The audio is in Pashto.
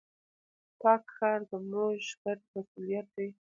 پاک ښار، زموږ ګډ مسؤليت دی.